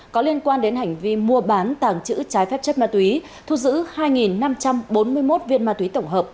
có liên quan đến hành vi mua bán tàng trữ trái phép chất ma túy thu giữ hai năm trăm bốn mươi một viên ma túy tổng hợp